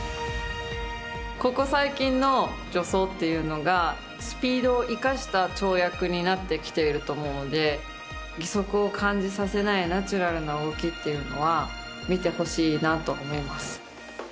ここ最近の助走というのがスピードを生かした跳躍になってきていると思うので義足を感じさせないナチュラルな動きというのは見てほしいなと思います。